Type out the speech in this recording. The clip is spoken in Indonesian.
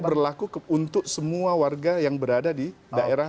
berlaku untuk semua warga yang berada di daerah